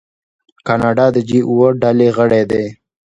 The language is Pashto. کاناډا د جي اوه ډلې غړی دی.